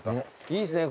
いいですね